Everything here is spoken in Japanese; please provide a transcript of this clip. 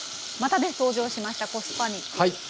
またね登場しましたコスパ肉。